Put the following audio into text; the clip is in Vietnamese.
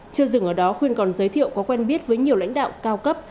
chưa dừng ở đó khuyên còn giới thiệu có quen biết với nhiều lãnh đạo cao cấp